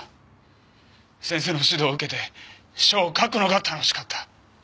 先生の指導を受けて書を書くのが楽しかった。